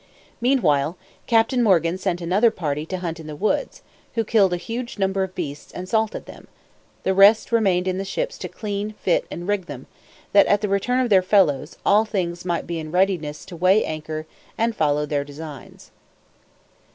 Meanwhile Captain Morgan sent another party to hunt in the woods, who killed a huge number of beasts, and salted them: the rest remained in the ships, to clean, fit, and rig them, that, at the return of their fellows, all things might be in a readiness to weigh anchor and follow their designs.